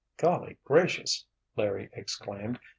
"Golly gracious!" Larry exclaimed.